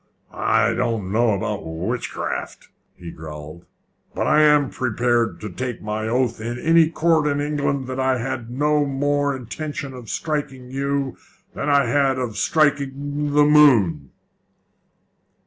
"I don't know about witchcraft," he growled; "but I am prepared to take my oath in any court in England that I had no more intention of striking you than I had of striking the moon."